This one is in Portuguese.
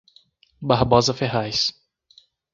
Barbosa Ferraz